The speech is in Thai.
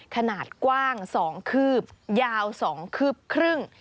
ขนาดกว้าง๒คืบยาว๒คืบครึ่ง